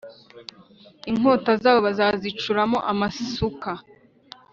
Inkota zabo bazazicuramo amasuka,